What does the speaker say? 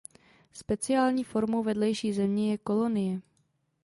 Speciální formou vedlejší země je kolonie.